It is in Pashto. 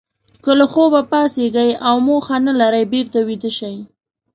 که له خوبه پاڅېږئ او موخه نه لرئ بېرته ویده شئ.